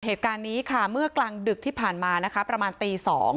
เหตุการณ์นี้ค่ะเมื่อกลางดึกที่ผ่านมานะคะประมาณตี๒